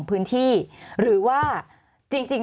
สวัสดีครับทุกคน